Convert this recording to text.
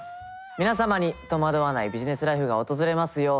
皆様に戸惑わないビジネスライフが訪れますように。